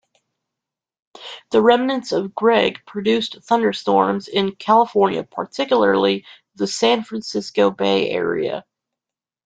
The remnants of Greg produced thunderstorms in California, particularly the San Francisco Bay Area.